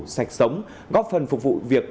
sạch sống góp phần phục vụ việc